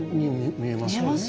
見えますよねえ。